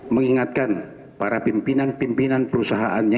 mengingatkan para pimpinan pimpinan perusahaannya